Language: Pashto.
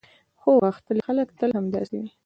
هو، غښتلي خلک تل همداسې وي.